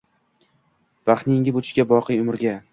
Vaqtni yengib o‘tishga, boqiy umrga.